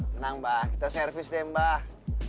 tenang mbah kita servis deh mbah